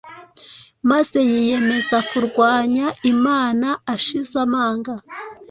maze yiyemeza kurwanya Imana ashize amanga.